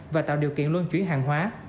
và tạo điều kiện luôn chuyển hàng hóa